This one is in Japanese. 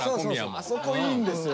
あそこいいんですよ。